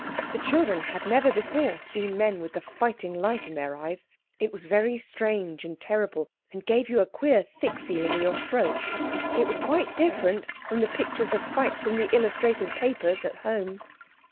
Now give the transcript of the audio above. The children had never before seen men with the fighting light in their eyes. It was very strange and terrible, and gave you a queer thick feeling in your throat; it was quite different from the pictures of fights in the illustrated papers at home.